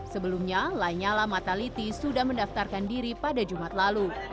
sebelumnya lanyala mataliti sudah mendaftarkan diri pada jumat lalu